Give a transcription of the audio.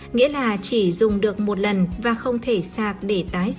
nghĩa là chỉ dùng được một lần và không thay đổi